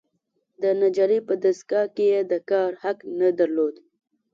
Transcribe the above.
د نجارۍ په دستګاه کې یې د کار حق نه درلود.